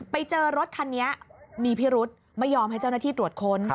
ไปเจอรถคันนี้มีพิรุธไม่ยอมให้เจ้าหน้าที่ตรวจค้น